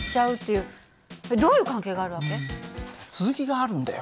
続きがあるんだよ。